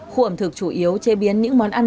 khu ẩm thực chủ yếu chế biến những món ăn